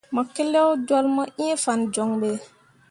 Mo keleo jolle mu ĩĩ fan joŋ ɓe.